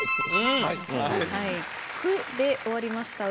「く」で終わりました。